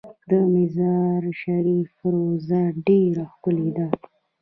د مزار شریف روضه ډیره ښکلې ده